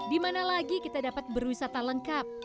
dimana lagi kita dapat berwisata lengkap